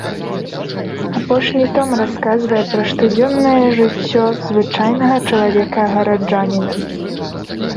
Апошні том расказвае пра штодзённае жыццё звычайнага чалавека-гараджаніна.